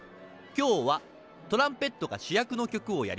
今日はトランペットがしゅやくの曲をやります。